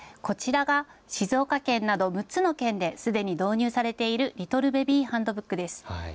こちらが静岡県など６つの県ですでに導入されているリトルベビーハンドブックです。